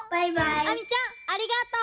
あみちゃんありがとう！